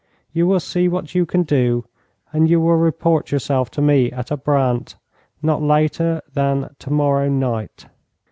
You will see what you can do, and you will report yourself to me at Abrantes not later than tomorrow night.'